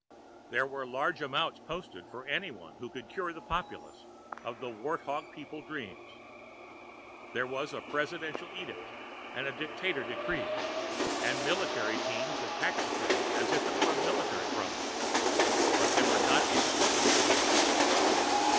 There were large amounts posted for anyone who could cure the populace of the wart hog people dreams. There was presidential edict and dictator decree, and military teams attacked the thing as a military problem, but they were not able to subdue it.